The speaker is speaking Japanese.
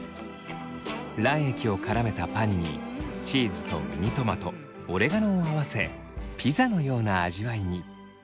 卵液をからめたパンにチーズとミニトマトオレガノを合わせピザのような味わいに。